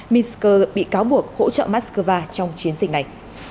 minsk bị cáo buộc hỗ trợ moscow trong chiến dịch này